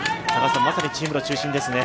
まさにチームの中心ですね。